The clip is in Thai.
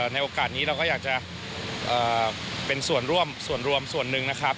ในโอกาสนี้เราก็อยากจะเป็นส่วนร่วมส่วนรวมส่วนหนึ่งนะครับ